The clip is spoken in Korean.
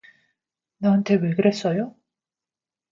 나한테 왜 그랬어요?